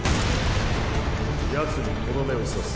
ヤツにとどめを刺す。